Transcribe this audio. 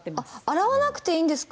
洗わなくていいんですか